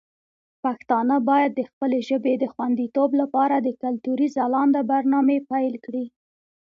پښتانه باید د خپلې ژبې د خوندیتوب لپاره د کلتوري ځلانده برنامې پیل کړي.